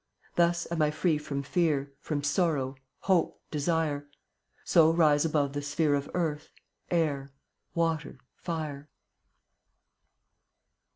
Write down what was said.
Thus am I free from fear, From sorrow, hope, desire; So rise above the sphere Of earth, air, water, fire.